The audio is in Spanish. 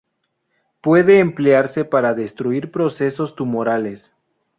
Puede emplearse para destruir procesos tumorales.